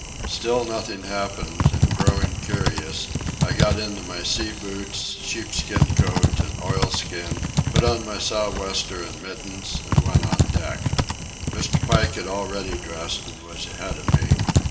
Still nothing happened, and, growing curious, I got into my sea boots, sheepskin coat, and oilskin, put on my sou'wester and mittens, and went on deck. Mr. Pike had already dressed and was ahead of me.